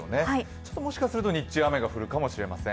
ちょっともしかすると日中雨が降るかもしれません。